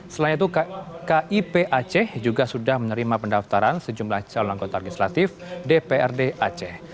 selain itu kip aceh juga sudah menerima pendaftaran sejumlah calon anggota legislatif dprd aceh